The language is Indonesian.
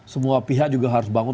semua pihak juga harus bangun